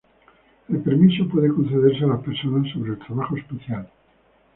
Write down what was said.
El permiso puede concederse a las personas sobre el trabajo especial.